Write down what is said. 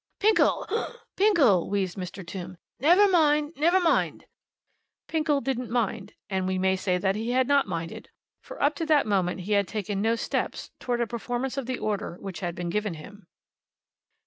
"Pinkle, Pinkle," wheezed Mr. Tombe. "Never mind; never mind." Pinkle didn't mind; and we may say that he had not minded; for up to that moment he had taken no steps towards a performance of the order which had been given him.